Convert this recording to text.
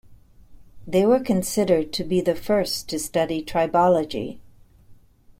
They were considered to be the first to study trybology.